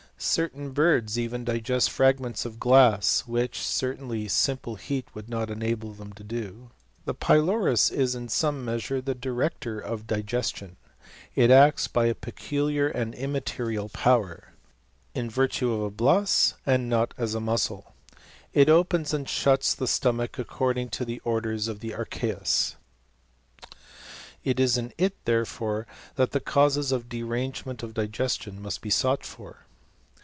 Certain birds even digest fragments of glass, which, certainly, simple heat would not enable them to do. The pylorus is, in some measure, the director of digestion. It acts by a peculiar and immaterial power, in virtue of a bias, and not as a muscle. It opens and shuts the stomach accordmg to the orders 188 . HISTORY OF CHEMISTRY. of the archeus. It is in it, therefore, that the causes of derangement of digestion must be sought for.